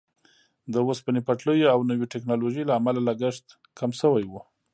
د اوسپنې پټلیو او نویو ټیکنالوژیو له امله لګښت کم شوی وو.